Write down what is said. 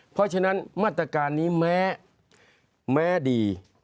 เพราะฉะนั้นมาตรการนี้แม้ดี